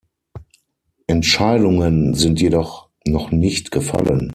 Entscheidungen sind jedoch noch nicht gefallen.